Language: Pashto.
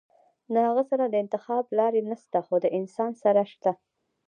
د هغه سره د انتخاب لارې نشته خو د انسان سره شته -